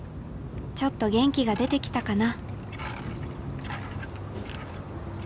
ちょっと元気が出てきたかな？